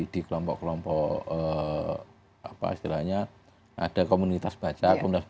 di kelompok kelompok apa istilahnya ada komunitas baca komunitas